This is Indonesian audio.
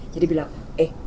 jadi bilang eh